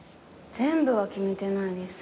全部は決めてないです。